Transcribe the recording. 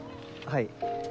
はい。